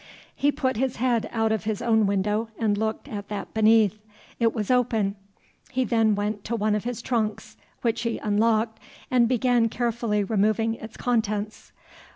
He put his head out of his own window and looked at that beneath. It was open. He then went to one of his trunks, which he unlocked, and began carefully removing its contents.